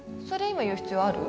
今言う必要ある？